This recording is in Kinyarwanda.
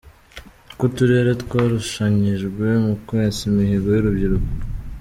Uko uturere twarushanyijwe mu kwesa imihigo y’urubyiruko.